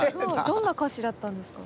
どんな歌詞だったんですか？